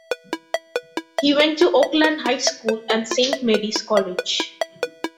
He went to Oakland High School and Saint Mary's College.